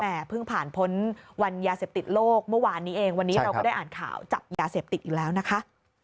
เพิ่งผ่านพ้นวันยาเสพติดโลกเมื่อวานนี้เองวันนี้เราก็ได้อ่านข่าวจับยาเสพติดอีกแล้วนะคะ